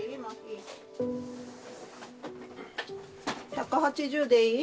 １８０でいい？